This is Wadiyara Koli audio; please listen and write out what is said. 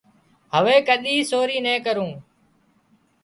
هوي ڪۮي سوري نين ڪرون